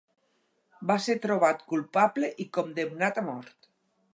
Va ser trobat culpable i condemnat a mort.